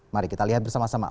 mari kita lihat bersama sama